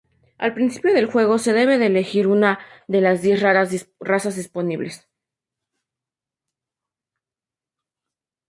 Al principio del juego se debe elegir una de las diez razas disponibles.